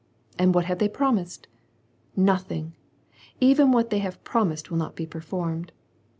And what have they promised ? Nothing ! Even what they have prom ised will not be performed.